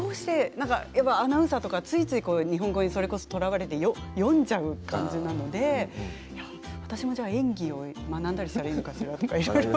アナウンサーとか、ついつい日本語にそれこそとらわれて読んじゃう感じなので私も演技を学んだりしたらいいのかしら？とかいろいろと。